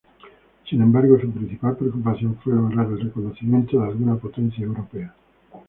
Sin embargo, su principal preocupación fue lograr el reconocimiento de alguna potencia europea.